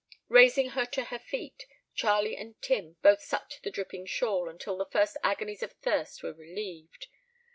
Raising her to her feet, Charlie and Tim both sucked the dripping shawl, until the first agonies of thirst were relieved.